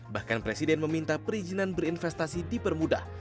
bahkan presiden meminta perizinan berinvestasi di permudah